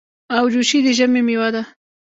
اوجوشي د ژمي مېوه ده.